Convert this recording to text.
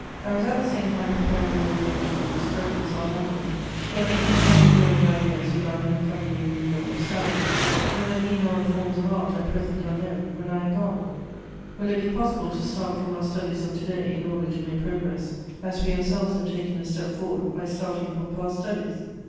I was at the same time preparing the revolution which threatens our language, for there can be no renewal of ideas without an accompanying renewal of style. Will there be other forms of art, at present unknown, when I am gone? Will it be possible to start from our studies of to day in order to make progress, as we ourselves have taken a step forward by starting from past studies?